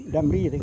dan beli juga